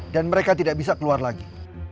dan mereka tidak bisa keluar lagi